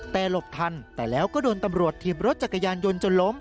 แต่หลบทันแต่แล้วก็โดนตำรวจถีบรถจักรยานยนต์จนล้ม